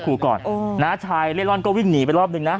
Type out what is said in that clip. ก่อนน้าชายเล่ร่อนก็วิ่งหนีไปรอบนึงนะ